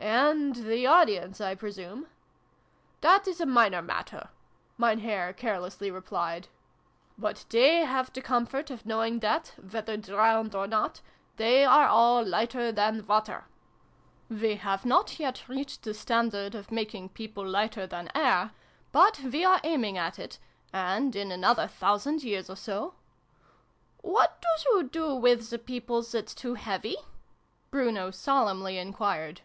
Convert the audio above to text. " And the audience, I presume ?" "That is a minor matter," Mein Herr care lessly replied. " But they have the comfort of 166 SYLVIE AND BRUNO CONCLUDED. knowing that, whether drowned or not, they are all lighter than water. We have not yet reached the standard of making people lighter than air : but we are aiming at it ; and, in another thousand years or so " What doos oo do wiz the peoples that's too heavy ?" Bruno solemnly enquired.